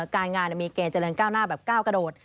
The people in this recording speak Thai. การงานมีเกณฑ์เจริญก้าวหน้าแบบก้าวกระโดด